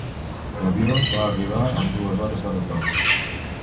L'avió va arribar amb dues hores de retard.